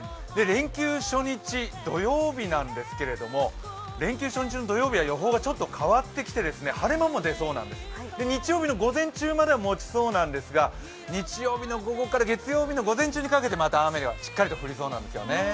連休初日、土曜日なんですけれども予報がちょっと変わってきて晴れ間も出そうなんです、日曜日の午前中までは持ちそうなんですが日曜日の午後から月曜日の午前中にかけてまた雨がしっかり降りそうなんですよね。